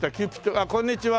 あっこんにちは！